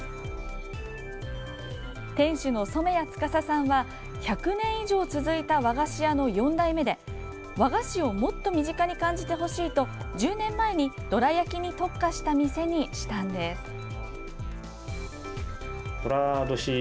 店主の染谷典さんは１００年以上続いた和菓子屋の４代目で、和菓子をもっと身近に感じてほしいと１０年前に、どら焼きに特化した店にしたんです。